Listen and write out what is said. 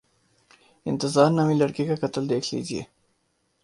انتظار نامی لڑکے کا قتل دیکھ لیجیے۔